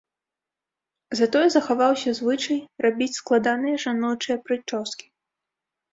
Затое захаваўся звычай рабіць складаныя жаночыя прычоскі.